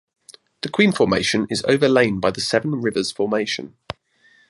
The Queen Formation is overlain by the Seven Rivers Formation.